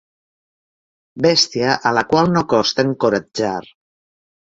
Bèstia a la qual no costa encoratjar.